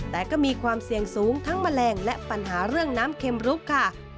แต่ก็มีความเสี่ยงสูงทั้งแมลงและปัญหาเรื่องน้ำเข็มรุกค่ะ